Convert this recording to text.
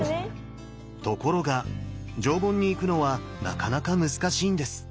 ところが上品に行くのはなかなか難しいんです。